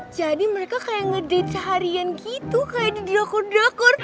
jadi mereka kayak ngedate seharian gitu kayak didokor dokor